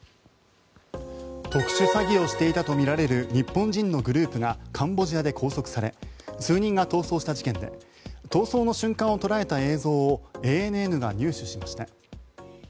特殊詐欺をしていたとみられる日本人のグループがカンボジアで拘束され数人が逃走した事件で逃走の瞬間を捉えた映像をＡＮＮが入手しました。